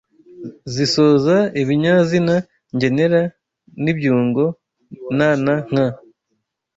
zisoza ibinyazina ngenera n’ibyungo na na nka